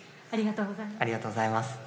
ありがとうございます。